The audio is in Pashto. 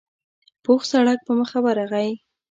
پوخ سړک په مخه ورغی.